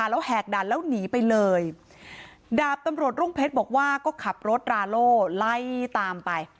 แล้วแหกด่านแล้วหนีไปเลยดาบตำรวจรุ่งเพชรบอกว่าก็ขับรถราโล่ไล่ตามไป